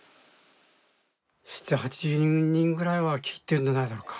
７０８０人ぐらいは聞いてるんじゃないだろうか。